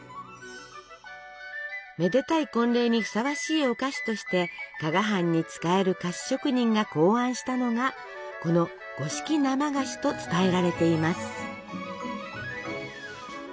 めでたい婚礼にふさわしいお菓子として加賀藩に仕える菓子職人が考案したのがこの五色生菓子と伝えられています。